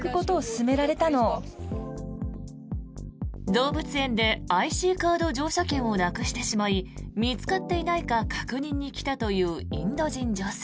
動物園でＩＣカード乗車券をなくしてしまい見つかっていないか確認に来たというインド人女性。